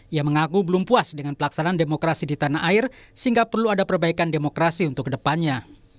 ia mengaku belum puas dengan pelaksanaan demokrasi di tanah air sehingga perlu ada perbaikan demokrasi untuk kedepannya